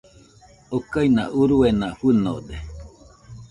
Okaina uruena fɨnode.